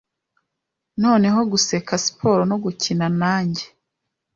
Noneho guseka siporo no gukina nanjye